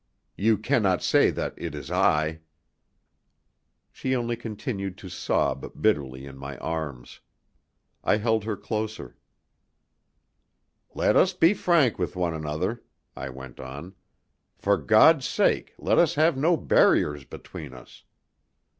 You cannot say that it is I." She only continued to sob bitterly in my arms. I held her closer. "Let us be frank with one another," I went on. "For God's sake let us have no barriers between us.